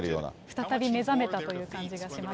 再び目覚めたという感じがしますね。